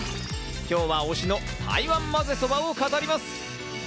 今日は推しの台湾まぜそばを語ります。